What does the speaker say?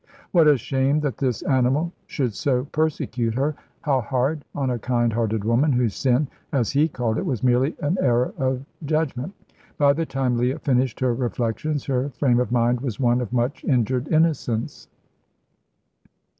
What a shame that this animal should so persecute her! How hard on a kind hearted woman, whose sin, as he called it, was merely an error of judgment. By the time Leah finished her reflections her frame of mind was one of much injured innocence.